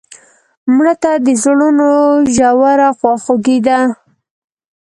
مړه ته د زړونو ژوره خواخوږي ده